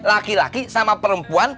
laki laki sama perempuan